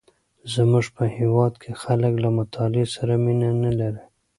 زمونږ په هیواد کې خلک له مطالعې سره مینه نه لري.